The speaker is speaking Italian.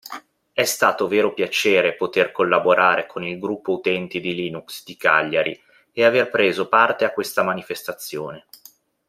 È stato vero piacere poter collaborare con il Gruppo Utenti di Linux di Cagliari e aver preso parte a questa manifestazione.